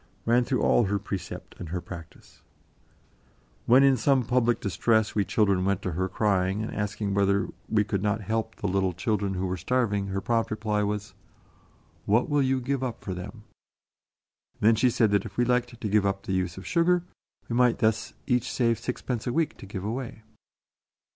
ran through all her precept and her practice. When in some public distress we children went to her crying, and asking whether we could not help the little children who were starving, her prompt reply was, "What will you give up for them?" And then she said that if we liked to give up the use of sugar, we might thus each save sixpence a week to give away.